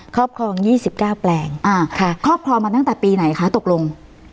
ครอบครอง๒๙แปลงครอบครองมาตั้งแต่ปีไหนคะตกลง